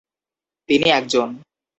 তিনি একজন।